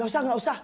gak usah gak usah